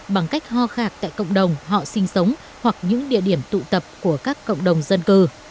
bằng cách ho khạc tại cộng đồng họ sinh sống hoặc những địa điểm tụ tập của các cộng đồng dân cư